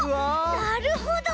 なるほど！